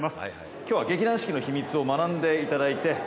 今日は劇団四季のヒミツを学んでいただいて。